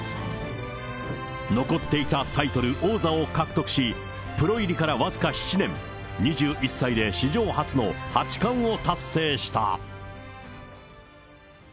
残っていたタイトル、王座を獲得し、プロ入りから僅か７年、２１歳で史上初の八冠を達成した。